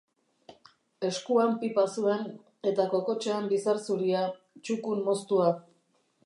Eskuan pipa zuen, eta kokotsean bizar zuria, txukun moztua.